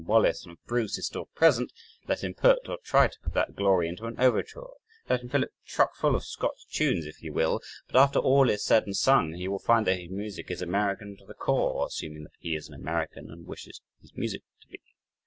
Wallace and of Bruce is still present, let him put, or try to put that glory into an overture, let him fill it chuck full of Scotch tunes, if he will. But after all is said and sung he will find that his music is American to the core (assuming that he is an American and wishes his music to be).